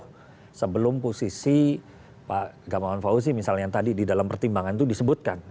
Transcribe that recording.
karena sebelum posisi pak gamawan fauzi misalnya yang tadi di dalam pertimbangan itu disebutkan